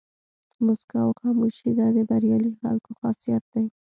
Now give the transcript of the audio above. موسکا او خاموشي دا د بریالي خلکو خاصیت دی.